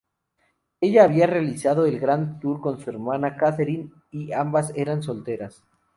Ella había realizado el Grand Tour con su hermana Katherine y ambas eran solteras.